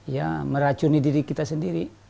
ya meracuni diri kita sendiri